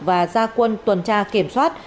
và gia quân tuần tra kiểm soát